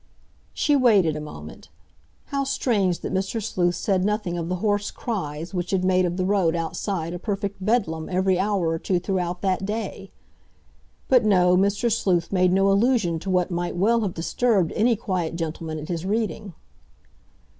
She waited a moment. How strange that Mr. Sleuth said nothing of the hoarse cries which had made of the road outside a perfect Bedlam every hour or two throughout that day. But no, Mr. Sleuth made no allusion to what might well have disturbed any quiet gentleman at his reading.